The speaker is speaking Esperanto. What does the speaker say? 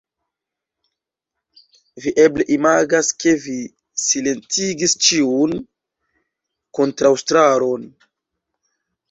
Vi eble imagas, ke vi silentigis ĉiun kontraŭstaron.